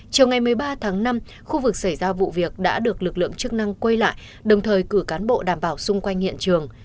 chiều ngày một mươi ba tháng năm khu vực xảy ra vụ việc đã được lực lượng chức năng quay lại đồng thời cử cán bộ đảm bảo xung quanh hiện trường